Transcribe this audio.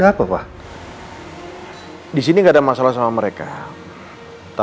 apa bisa ketemu hari ini